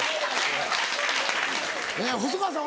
細川さん